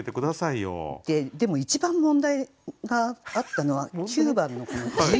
でも一番問題があったのは９番のこの自由題。